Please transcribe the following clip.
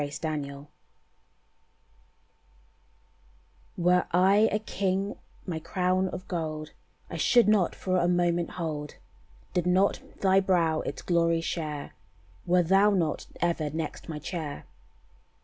"Mio Salvatore" "Were I a king, my crown of gold I should not for a moment hold, Did not thy brow its glory share, Were thou not ever next my chair.